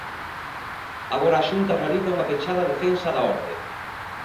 Agora a Xunta realiza unha pechada defensa da orde.